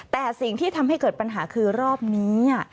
แต่สิ่งที่ทำให้เกิดปัญหาคือรอบนี้